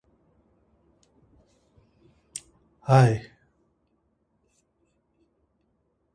The jaws are controlled with minimal arm movement.